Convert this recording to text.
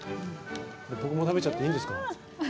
僕も食べちゃっていいんですか。